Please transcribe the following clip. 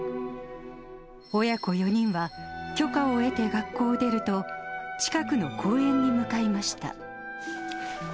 親子４人は、許可を得て学校を出ると、近くの公園に向かいました。